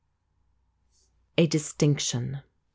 A DISTINCTION.